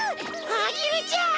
アゲルちゃん！